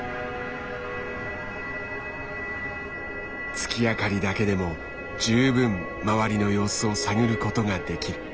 月明かりだけでも十分周りの様子を探ることができる。